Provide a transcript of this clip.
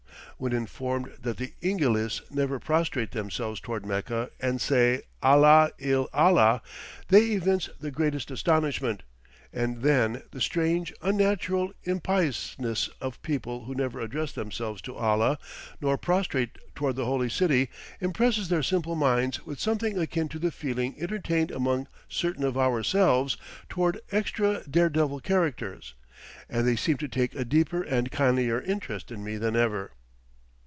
When informed that the Ingilis never prostrate themselves toward Mecca and say "Allah il allah!" they evince the greatest astonishment; and then the strange, unnatural impiousness of people who never address themselves to Allah nor prostrate toward the Holy City, impresses their simple minds with something akin to the feeling entertained among certain of ourselves toward extra dare devil characters, and they seem to take a deeper and kindlier interest in me than ever.